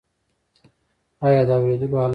ایا د اوریدلو آله لرئ؟